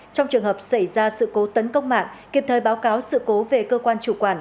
trong trường hợp xảy ra sự cố tấn công mạng kịp thời báo cáo sự cố về cơ quan chủ quản